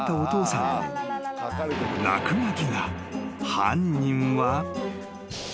［犯人は］